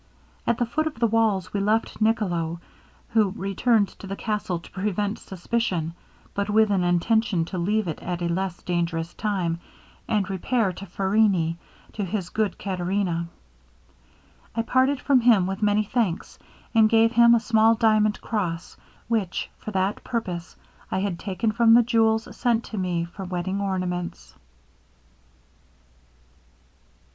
At the foot of the walls we left Nicolo, who returned to the castle to prevent suspicion, but with an intention to leave it at a less dangerous time, and repair to Farrini to his good Caterina. I parted from him with many thanks, and gave him a small diamond cross, which, for that purpose, I had taken from the jewels sent to me for wedding ornaments.'